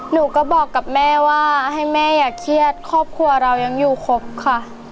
หนูก็บอกกับแม่ว่าให้แม่อย่าเครียดครอบครัวเรายังอยู่ครบค่ะ